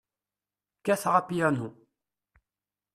Kkateɣ apyanu.